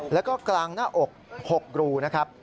แล้วก็กลางหน้าอก๖รูนะครับ